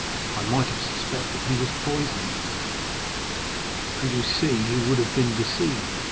I might have suspected he was poisoning us." "And you see you would have been deceived."